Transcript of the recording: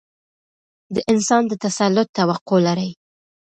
د انسان د تسلط توقع لري.